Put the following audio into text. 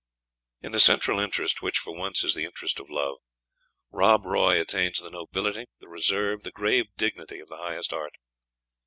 In the central interest, which, for once, is the interest of love, "Rob Roy" attains the nobility, the reserve, the grave dignity of the highest art.